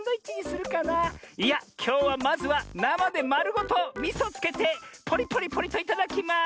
いやきょうはまずはなまでまるごとみそつけてポリポリポリといただきます！